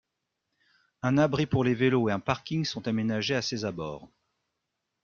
Un abri pour les vélos et un parking sont aménagés à ses abords.